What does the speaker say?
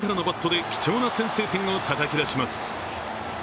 ０−０で迎えた２回、自らのバットで貴重な先制点をたたき出します。